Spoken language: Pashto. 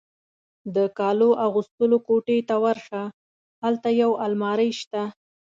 د کالو اغوستلو کوټې ته ورشه، هلته یو المارۍ شته.